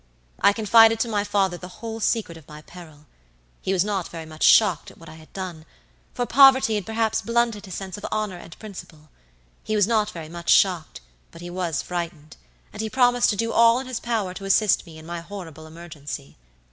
"I confided to my father the whole secret of my peril. He was not very much shocked at what I had done, for poverty had perhaps blunted his sense of honor and principle. He was not very much shocked, but he was frightened, and he promised to do all in his power to assist me in my horrible emergency.